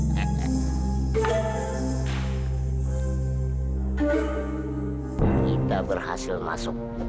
kita berhasil masuk